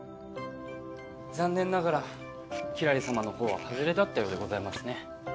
残念ながらキラリ様のほうはハズレだったようでございますね。